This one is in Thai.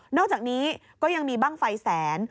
อกจากนี้ก็ยังมีบ้างไฟแสน